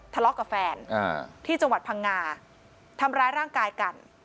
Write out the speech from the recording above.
ทะเลาะกับแฟนที่จังหวัดพังงาทำร้ายร่างกายกัน